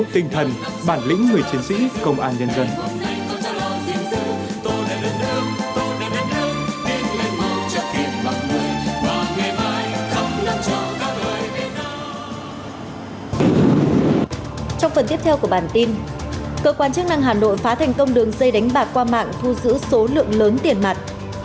tiếp theo của bản tin cơ quan chức năng hà nội phá thành công đường dây đánh bạc qua mạng thu giữ số lượng lớn tiền mặt